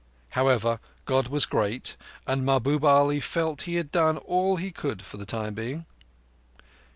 However, God was great, and Mahbub Ali felt he had done all he could for the time being.